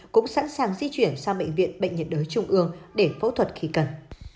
cũng sẵn sàng di chuyển sang bệnh viện bệnh nhiệt đới trung ương để phẫu thuật khi cần